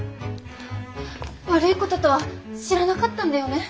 悪いこととは知らなかったんだよね？